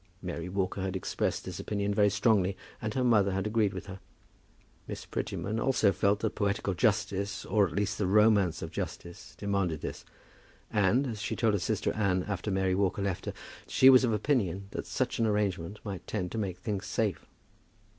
Mary Walker had expressed this opinion very strongly, and her mother had agreed with her. Miss Prettyman also felt that poetical justice, or, at least, the romance of justice, demanded this; and, as she told her sister Anne after Mary Walker left her, she was of opinion that such an arrangement might tend to make things safe.